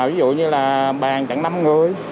ví dụ như là bàn chẳng năm người